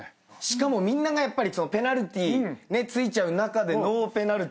しかもみんながやっぱりペナルティー付いちゃう中でノーペナルティーで。